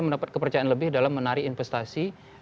mendapat kepercayaan lebih dalam menarik investasi